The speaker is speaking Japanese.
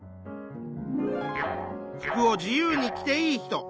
服を自由に着ていい人。